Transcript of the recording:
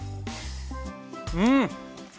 うん！